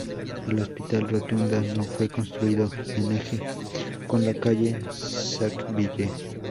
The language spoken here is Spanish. El hospital Rotunda no fue construido en eje con la calle Sackville.